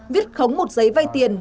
viết khống một giấy vay tiền